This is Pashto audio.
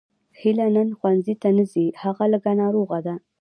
هیله نن ښوونځي ته نه ځي هغه لږه ناروغه ده